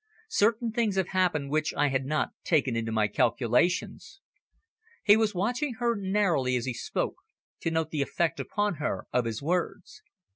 Certain things have happened which I had not taken into my calculations." He was watching her narrowly as he spoke, to note the effect upon her of his words.